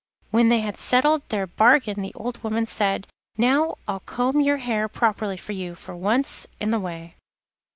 When they had settled their bargain the old woman said: 'Now I'll comb your hair properly for you, for once in the way.